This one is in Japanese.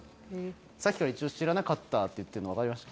さっきから一応「知らなカッター」って言ってるの分かりました？